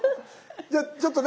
じゃあちょっとね